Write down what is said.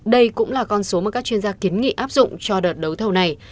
đây cũng là con số mà các chuyên gia kiến nghị áp dụng cho đợt đấu thầu này